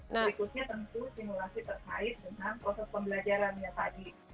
berikutnya tentu simulasi terkait dengan proses pembelajaran yang tadi